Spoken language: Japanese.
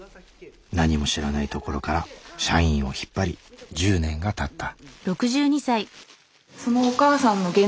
何も知らないところから社員を引っ張り１０年がたった。